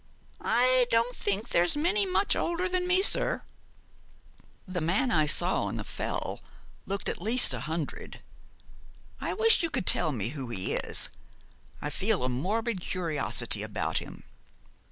'I don't think there's many much older than me, sir.' 'The man I saw on the Fell looked at least a hundred. I wish you could tell me who he is; I feel a morbid curiosity about him.'